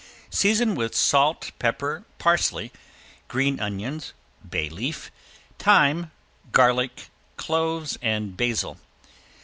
Season with salt, pepper, parsley, green onions, bay leaf, thyme, garlic, cloves, and basil.